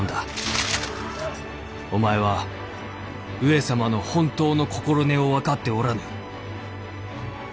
お前は上様の本当の心根を分かっておらぬ。